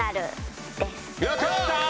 やった！